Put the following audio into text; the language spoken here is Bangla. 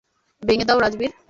ভেঙে দাও রাজবীর।